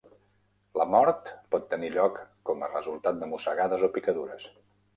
La mort pot tenir lloc com a resultat de mossegades o picadures.